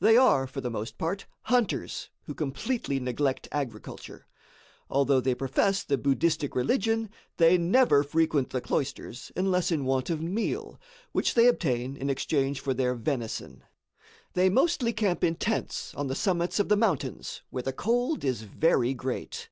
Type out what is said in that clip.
They are, for the most part, hunters, who completely neglect agriculture. Although they profess the Buddhistic religion, they never frequent the cloisters unless in want of meal, which they obtain in exchange for their venison. They mostly camp in tents on the summits of the mountains, where the cold is very great.